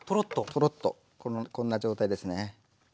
トロッとこんな状態ですね。